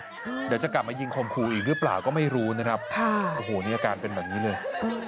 เดี๋ยวจะกลับมายิงคมครูอีกหรือเปล่าก็ไม่รู้นะครับค่ะโอ้โหนี่อาการเป็นแบบนี้เลย